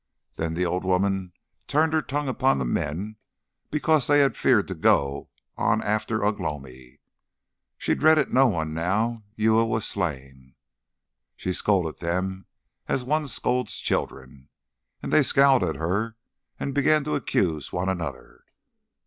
Then the old woman turned her tongue upon the men because they had feared to go on after Ugh lomi. She dreaded no one now Uya was slain. She scolded them as one scolds children. And they scowled at her, and began to accuse one another.